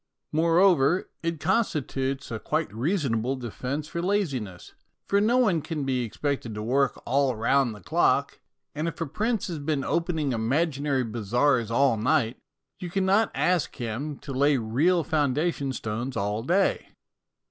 Moreover, it constitutes a quite reason able defence for laziness, for no one can be expected to work all round the clock, and if a prince has been opening imaginary bazaars all night, you cannot ask him to lay real foundation stones all day.